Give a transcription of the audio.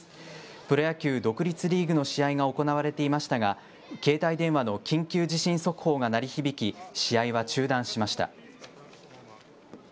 プロ野球独立リーグの試合が行われていましたが、携帯電話の緊急地震速報が鳴り響き、試合は中断しました。